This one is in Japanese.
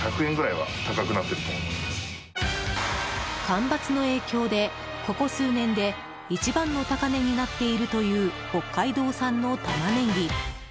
干ばつの影響で、ここ数年で一番の高値になっているという北海道産のタマネギ。